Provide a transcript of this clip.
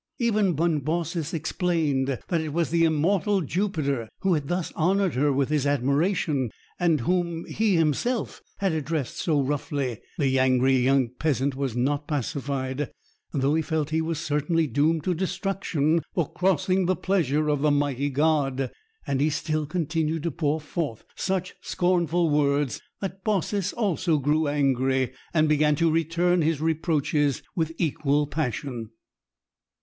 Even when Baucis explained that it was the Immortal Jupiter who had thus honoured her with his admiration, and whom he himself had addressed so roughly, the angry young peasant was not pacified, though he felt he was certainly doomed to destruction for crossing the pleasure of the mighty god; and he still continued to pour forth such scornful words, that Baucis also grew angry, and began to return his reproaches with equal passion.